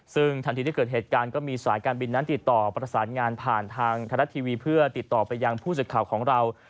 ซึ่งทันทีที่เกิดเหตุการณ์ก็มีสายการบินนั้นติดต่อประสานงานผ่านทางไทยรัฐทีวีเพื่อติดต่อไปยังผู้สื่อข่าวของเรา